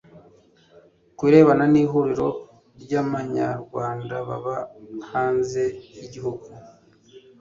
Ku birebana n Ihuriro ry Abanyarwanda baba hanze y Igihugu